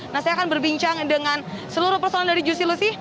nah saya akan berbincang dengan seluruh personil dari juic lucy